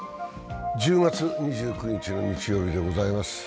１０月２９日の日曜日でございます。